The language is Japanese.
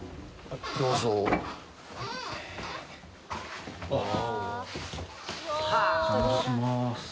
あっお邪魔します。